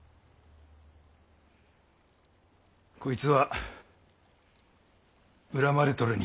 こいつは恨まれとるに相違ない。